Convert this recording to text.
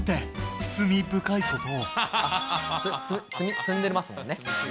積んでますもんね。